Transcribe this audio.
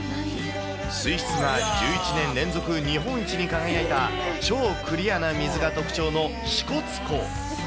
水質が１１年連続日本一に輝いた、超クリアな水が特徴の支笏湖。